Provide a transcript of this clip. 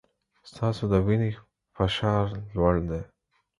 ستاسو د وینې فشار لوړ دی.